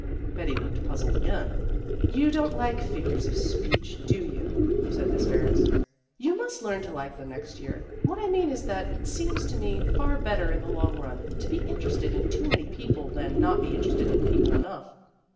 Betty looked puzzled again. "You don't like figures of speech, do you?" said Miss Ferris. "You must learn to like them next year. What I mean is that it seems to me far better in the long run to be interested in too many people than not to be interested in people enough.